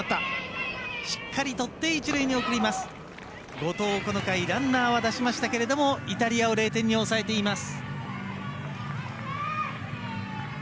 後藤、この回ランナーは出しましたけれどもイタリアを０点に抑えています。